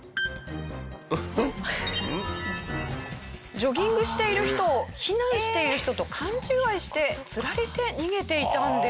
ジョギングしている人を避難している人と勘違いして釣られて逃げていたんです。